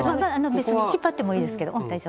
引っ張ってもいいですけど大丈夫です。